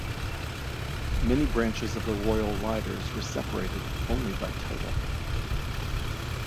Many branches of the Royal Riders were separated only by title.